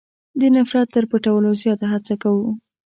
د نفرت تر پټولو زیاته هڅه کوو.